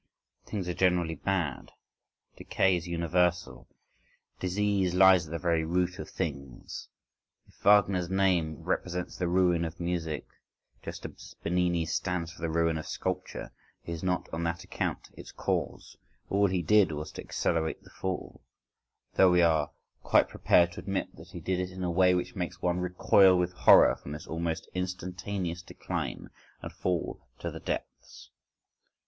Things are generally bad. Decay is universal. Disease lies at the very root of things. If Wagner's name represents the ruin of music, just as Bernini's stands for the ruin of sculpture, he is not on that account its cause. All he did was to accelerate the fall,—though we are quite prepared to admit that he did it in a way which makes one recoil with horror from this almost instantaneous decline and fall to the depths.